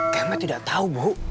kemek tidak tahu bu